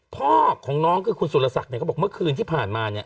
พ่อของน้องคือคุณสุรศักดิ์เนี่ยเขาบอกเมื่อคืนที่ผ่านมาเนี่ย